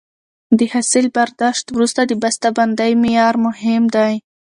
د حاصل برداشت وروسته د بسته بندۍ معیار مهم دی.